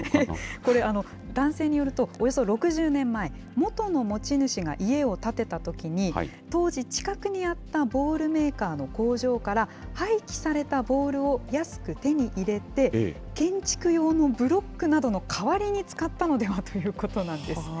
これ、男性によると、およそ６０年前、元の持ち主が家を建てたときに当時、近くにあったボールメーカーの工場から廃棄されたボールを安く手に入れて、建築用のブロックなどの代わりに使ったのではということなんです。